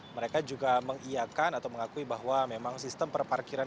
mereka juga mengiakan atau mengakui bahwa memang sistem perparkiran